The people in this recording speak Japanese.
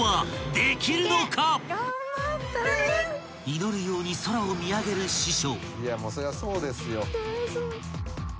［祈るように空を見上げる師匠］